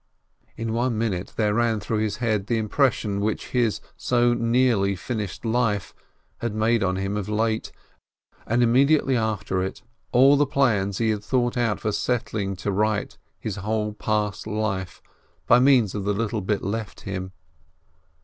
In one minute there ran through his head the impression which his so nearly finished life had made on him of late, and immediately after it all the plans he had thought out for setting to right his whole past life by means of the little bit left him.